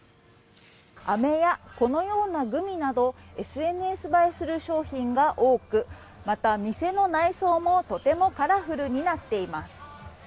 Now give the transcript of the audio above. アメやこのようなグミなどＳＮＳ映えする商品が多くまた、店の内装もとてもカラフルになっています。